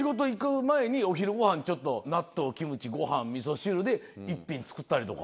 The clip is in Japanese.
お昼ごはんちょっと納豆キムチご飯みそ汁で１品作ったりとか。